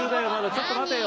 ちょっと待てよ。